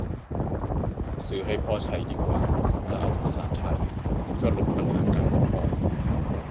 ซื้อให้พ่อใช้ดีกว่า จะเอาภาษาไทย ลดปัญหาการซัพพอร์ต !